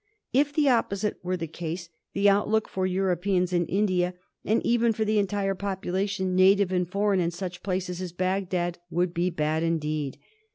If the opposite were the case the outlook for Europeans in India, and even for the entire population, native and foreign, in such places as Bagdad, would be bad indeed.